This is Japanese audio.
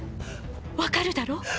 分かるだろ？